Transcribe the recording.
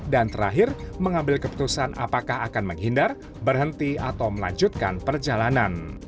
dan terakhir mengambil keputusan apakah akan menghindar berhenti atau melanjutkan perjalanan